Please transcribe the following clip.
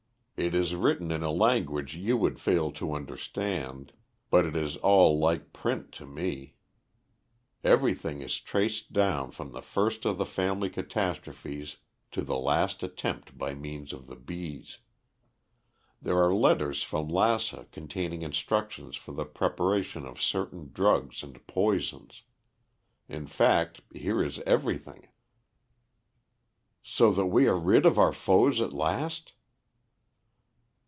"It is written in a language you would fail to understand, but it is all like print to me. Everything is traced down from the first of the family catastrophes to the last attempt by means of the bees. There are letters from Lassa containing instructions for the preparation of certain drugs and poisons; in fact, here is everything." "So that we are rid of our foes at last?"